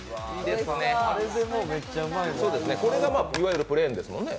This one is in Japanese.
これがいわゆるプレーンですもんね。